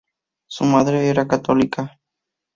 Su madre era católica.